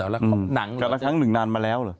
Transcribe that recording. แล้วแต่ละครั้งหนึ่งนานมาแล้วเหรอ